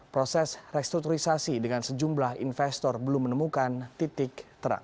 proses restrukturisasi dengan sejumlah investor belum menemukan titik terang